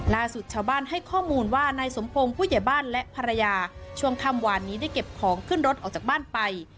ล่าสุดชาวบ้านให้ข้อมูลว่านายสมพงศ์ผู้ใหญ่บ้านและภรรยาช่วงค่ำวานนี้ได้เก็บของขึ้นรถออกจากบ้านไป